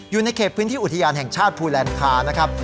อยู่ในเขตพื้นที่อุทยานแห่งชาติภูแลนคานะครับ